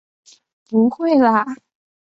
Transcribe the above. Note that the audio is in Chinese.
不会啦！